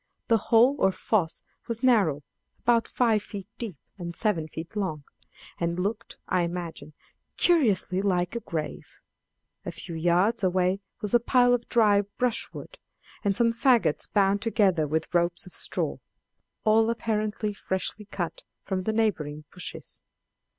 The hole or foss was narrow, about five feet deep and seven feet long, and looked, I imagined, curiously like a grave. A few yards away was a pile of dry brushwood, and some faggots bound together with ropes of straw, all apparently freshly cut from the neighboring bushes.